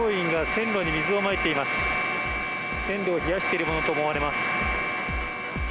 線路を冷やしているものと思われます。